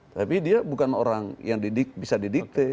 tapi dia bukan orang yang bisa didikte